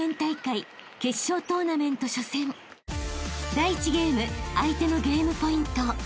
［第１ゲーム相手のゲームポイント］